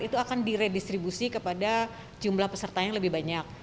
itu akan diredistribusi kepada jumlah pesertanya yang lebih banyak